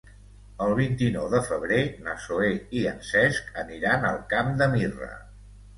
El vint-i-nou de febrer na Zoè i en Cesc aniran al Camp de Mirra.